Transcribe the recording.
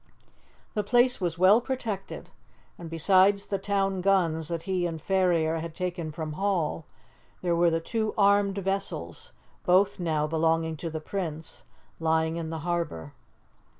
The place was well protected, and, besides the town guns that he and Ferrier had taken from Hall, there were the two armed vessels both now belonging to the Prince lying in the harbour.